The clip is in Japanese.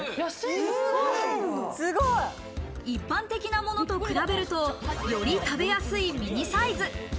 一般的なものと比べると、より食べやすいミニサイズ。